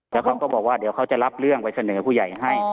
แล้วเขาก็บอกว่าเดี๋ยวเขาจะรับเรื่องไปเสนอผู้ใหญ่ให้